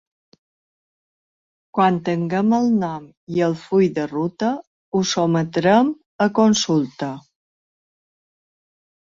Quan tinguem el nom i el full de ruta, ho sotmetrem a consulta.